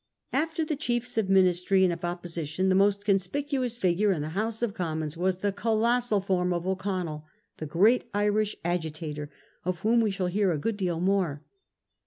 After the chiefs of Ministry and of Opposition, the most conspicuous figure in the House of Commons was the colossal form of O'Connell, the great Irish agitator, of whom we shall hear a good deal more.